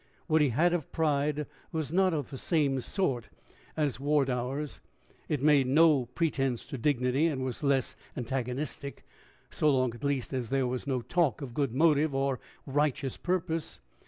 What he had of pride was not of the same sort as Wardour's: it made no pretense to dignity, and was less antagonistic, so long at least as there was no talk of good motive or righteous purpose.